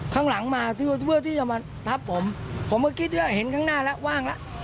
ข้างหลังมาเพื่อที่จะมาทับผมผมก็คิดว่าเห็นข้างหน้าแล้วว่างแล้ว